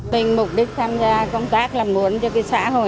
mình mục đích tham gia công tác là muốn cho cái xã hội